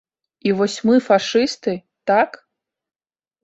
І вось мы фашысты, так?!